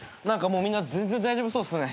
もうみんな全然大丈夫そうっすね。